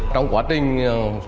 trong quá trình